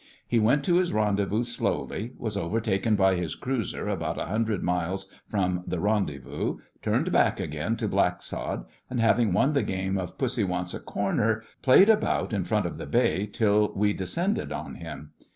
He went to his rendezvous slowly, was overtaken by his cruiser about a hundred miles from the rendezvous, turned back again to Blacksod, and having won the game of 'Pussy wants a corner,' played about in front of the Bay till we descended on him.